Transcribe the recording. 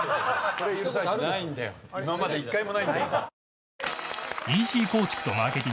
今まで１回もないんだよ。